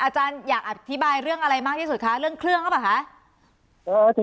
อาจารย์อยากอธิบายเรื่องอะไรมากที่สุดคะเรื่องเครื่องหรือเปล่าคะ